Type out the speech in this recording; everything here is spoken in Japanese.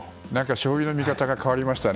将棋の見方が変わりましたね。